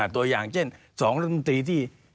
ตัวอย่างเช่น๒หลักมือตีที่